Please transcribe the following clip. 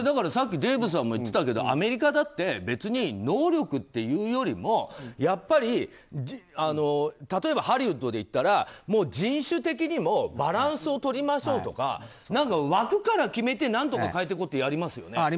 さっき、デーブさんも言っていたけど、アメリカだって別に能力っていうよりもやっぱり例えばハリウッドで言ったら人種的にもバランスをとりましょうとか枠から決めて、何とか変えていこうってやりますよね。